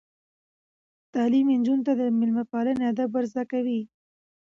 تعلیم نجونو ته د میلمه پالنې آداب ور زده کوي.